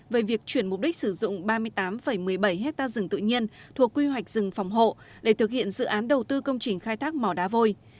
về việc chuyển mục đích sử dụng ba mươi tám một mươi bảy hectare rừng tự nhiên thuộc quy hoạch rừng phòng hộ để thực hiện dự án đầu tư công trình khai thác mỏ đá vôi